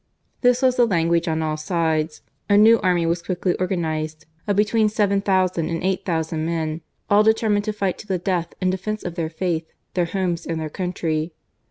This was the language on all sides. A new army was quickly organized of between seven thou sand and eight thousand men, all determined to fight to the death in defence of their faith, their homes, 144 GARCIA MORENO. and their countrj